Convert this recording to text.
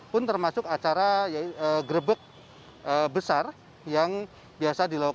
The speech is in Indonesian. pun termasuk acara grebek besar yang biasa dilakukan